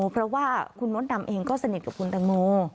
เพราะว่าคุณมดดำเองก็สนิทกับคุณตังโม